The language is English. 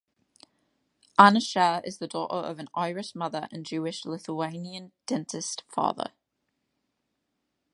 Anna Scher is the daughter of an Irish mother and Jewish Lithuanian dentist father.